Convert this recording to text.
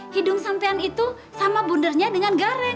hidung sampean itu sama bundernya dengan gareng